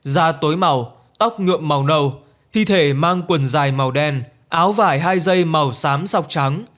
da tối màu tóc ngượm màu nâu thi thể mang quần dài màu đen áo vải hai dây màu xám dọc trắng